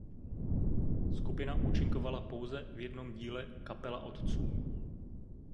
Skupina účinkovala pouze v jednom díle "Kapela otců".